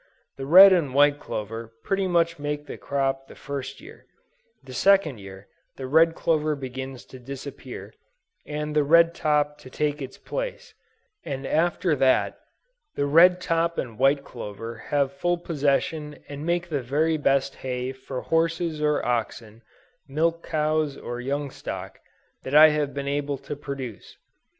The red and white clover pretty much make the crop the first year; the second year, the red clover begins to disappear, and the red top to take its place; and after that, the red top and white clover have full possession and make the very best hay for horses or oxen, milch cows or young stock, that I have been able to produce.